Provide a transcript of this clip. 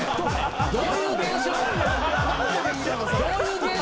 どういう現象？